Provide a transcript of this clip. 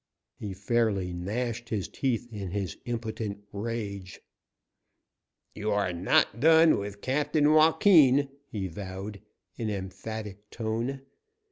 He fairly gnashed his teeth in his impotent rage. "You are not done with Captain Joaquin," he vowed, in emphatic tone.